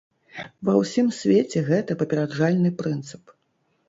Ва ўсім свеце гэта папераджальны прынцып.